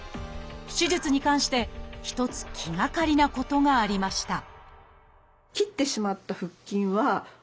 手術に関して一つ気がかりなことがありました